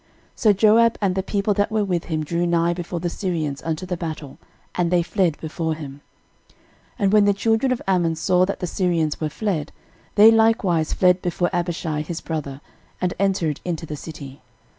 13:019:014 So Joab and the people that were with him drew nigh before the Syrians unto the battle; and they fled before him. 13:019:015 And when the children of Ammon saw that the Syrians were fled, they likewise fled before Abishai his brother, and entered into the city.